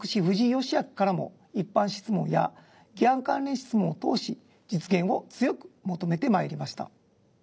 ふじい芳明からも一般質問や議案関連質問を通し実現を強く求めてまいりました。